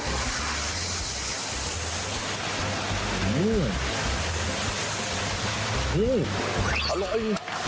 อร่อย